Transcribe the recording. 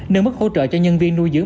nâng mức hỗ trợ cho nhân viên nuôi dưỡng